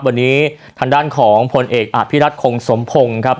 วันนี้ทางด้านของผลเอกอภิรัตคงสมพงศ์ครับ